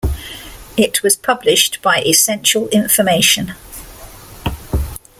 It was published by Essential Information.